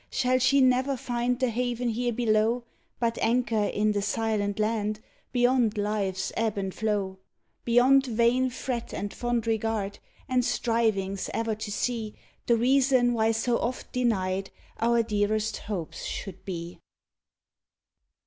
shall she ne'er find the haven here below, But anchor in the "silent land," beyond Life's ebb and flow, Beyond vain fret and fond regard, and strivings e'er to see The reason why so oft denied our dearest hopes should be!